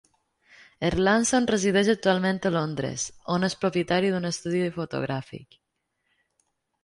Erlandsson resideix actualment a Londres, on és propietari d'un estudi fotogràfic.